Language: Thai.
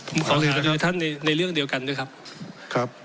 ผมขอขอบคุณท่านในในเรื่องเดียวกันด้วยครับครับ